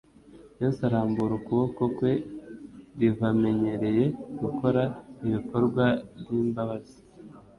Yesu arambura ukuboko kwe Rvamenyereye gukora ibikorwa by'imbabazi,